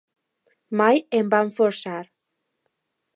Mai em van forçar.